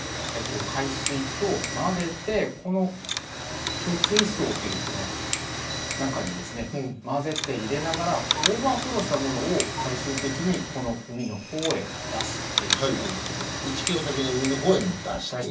海水と混ぜて貯水槽の中に混ぜて入れながらオーバーフローしたものを最終的に海の方へ出していくということです。